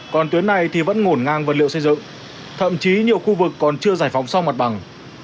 còn tuyến này thì vẫn ngổn ngang vật liệu xây dựng thậm chí nhiều khu vực còn chưa giải phóng xong mặt bằng